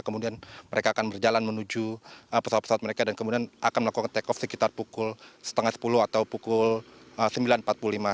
kemudian mereka akan berjalan menuju pesawat pesawat mereka dan kemudian akan melakukan take off sekitar pukul setengah sepuluh atau pukul sembilan empat puluh lima